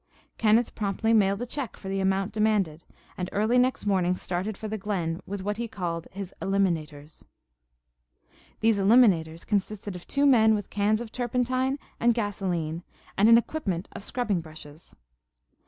Kenneth promptly mailed a check for the amount demanded and early next morning started for the glen with what he called his "eliminators." These "eliminators" consisted of two men with cans of turpentine and gasoline and an equipment of scrubbing brushes.